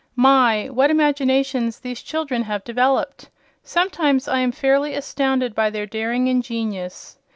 My, what imaginations these children have developed! Sometimes I am fairly astounded by their daring and genius.